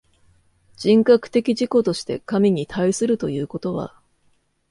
人格的自己として神に対するということは、